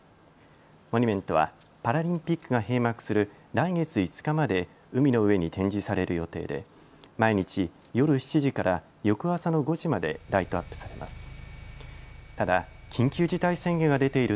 モニュメントはパラリンピックが閉幕する来月５日まで海の上に展示される予定で、毎日夜７時から翌朝の５時までライトアップされます。